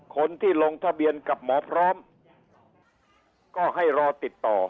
คนที่ลงทะเบียนกับหมอพร้อมก็ให้รอติดต่อ